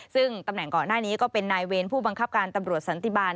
ซึ่งตำแหน่งก่อนหน้านี้ก็เป็นนายเวรผู้บังคับการตำรวจสันติบาล